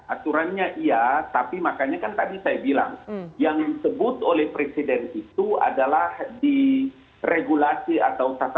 aturannya iya tapi makanya kan tadi saya bilang yang disebut oleh presiden itu adalah di regulasi atau tata